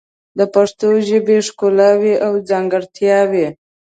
د پښتو ژبې ښکلاوې او ځانګړتیاوې